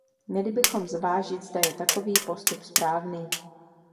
Měli bychom zvážit, zda je takový postup správný.